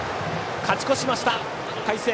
勝ち越しました、海星！